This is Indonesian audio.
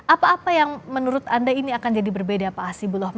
apa apa yang menurut anda ini akan jadi berbeda pak hasibullah